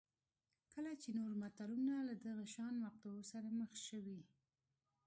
کله چې نور ملتونه له دغه شان مقطعو سره مخ شوي